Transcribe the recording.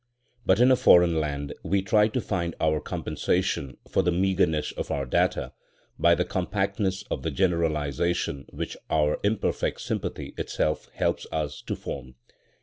But in a foreign land we try to find our compensation for the meagreness of our data by the compactness of the generalisation which our imperfect sympathy itself helps us to form.